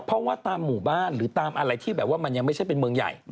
เพราะว่าตามหมู่บ้านหรือตามอะไรที่แบบว่ามันยังไม่ใช่เป็นเมืองใหญ่